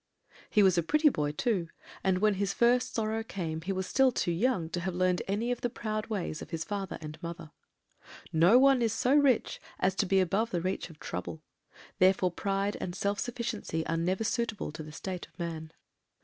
"He was a pretty boy, too, and, when his first sorrow came, was still too young to have learned any of the proud ways of his father and mother. "No one is so rich as to be above the reach of trouble, therefore pride and self sufficiency are never suitable to the state of man.